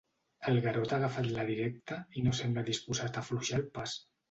El Garota ha agafat la directa i no sembla disposat a afluixar el pas.